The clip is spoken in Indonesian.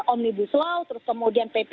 omnibus law terus kemudian pp tiga puluh enam